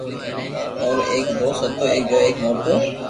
اورو ايڪ دوست ھتو جو ايڪ موٽو